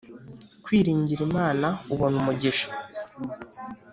Kwiringira Imana ubona umugisha